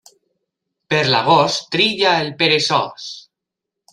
Per l'agost trilla el peresós.